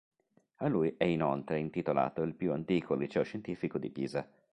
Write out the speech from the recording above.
A lui è inoltre intitolato il più antico liceo scientifico di Pisa.